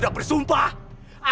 dan satu lagi